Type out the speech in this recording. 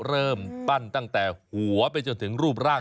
เริ่มปั้นตั้งแต่หัวไปจนถึงรูปร่าง